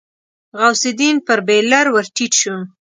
غوث الدين پر بېلر ور ټيټ شو.